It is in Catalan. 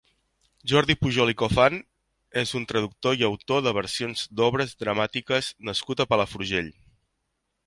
Jordi Pujol i Cofan és un traductor i autor de versions d'obres dramàtiques nascut a Palafrugell.